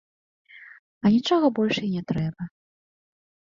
А нічога больш і не трэба.